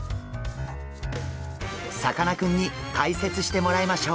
さかなクンに解説してもらいましょう。